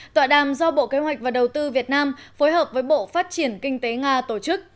tọa đàm do bộ kế hoạch và đầu tư việt nam phối hợp với bộ phát triển kinh tế nga tổ chức